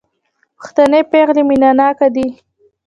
پښتنې پېغلې مينه ناکه دي